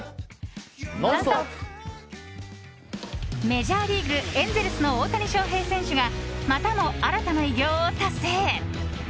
メジャーリーグエンゼルスの大谷翔平選手がまたも新たな偉業を達成。